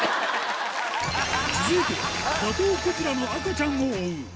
続いては、ザトウクジラの赤ちゃんを追う。